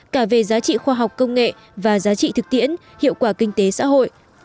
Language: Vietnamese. cả về giá trị khoa học công nghệ và giá trị thực tiễn hiệu quả kinh tế xã hội